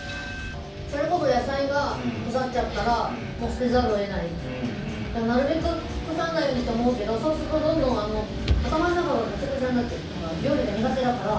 それこそ野菜が腐っちゃったらもう捨てざるを得ないからなるべく残さないようにと思うけど頭の中がごちゃごちゃになって料理が苦手だから。